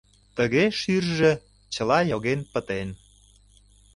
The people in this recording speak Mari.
Тыге шӱржӧ чыла йоген пытен.